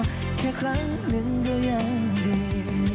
แค่ครั้งหนึ่งก็ยังดี